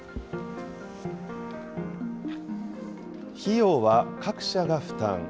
費用は各社が負担。